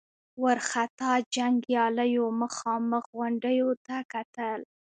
وارخطا جنګياليو مخامخ غونډيو ته کتل.